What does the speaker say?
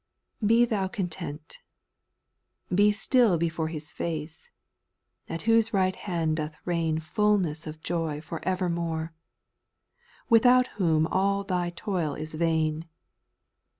Be thou content ; be still before His face, at whose right hand doth reign Fullness of joy for evermore, Without whom all thy toil is vain.